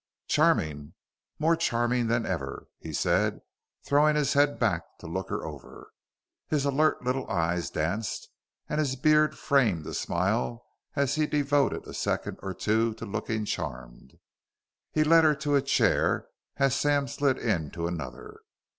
"Charming! More charming than ever!" he said, throwing his head back to look her over. His alert little eyes danced and his beard framed a smile as he devoted a second or two to looking charmed. He led her to a chair as Sam slid into another.